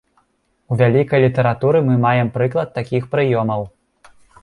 У вялікай літаратуры мы маем прыклад такіх прыёмаў.